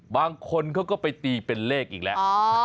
บางคนเขาก็ไปตีเป็นเลขอีกแล้ว